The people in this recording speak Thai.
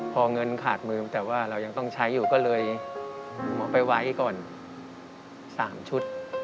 พอเงินขาดมือแต่ว่าเรายังต้องใช้อยู่ก็เลยเอาไปไว้ก่อน๓ชุด